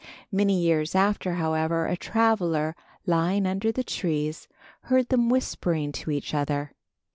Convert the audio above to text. Many years after, however, a traveller lying under the trees heard them whispering to each other.